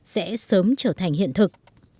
sẽ sớm trở thành hiện thực